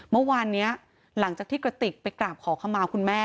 เมื่อวานนี้หลังจากที่กระติกไปกราบขอขมาคุณแม่